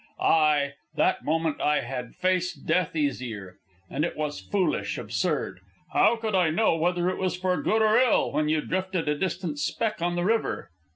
Ay, that moment I had faced death easier. And it was foolish, absurd. How could I know whether it was for good or ill when you drifted a distant speck on the river?